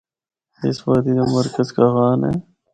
اس وادی دا مرکز کاغان اے۔